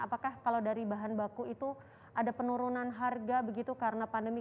apakah kalau dari bahan baku itu ada penurunan harga begitu karena pandemi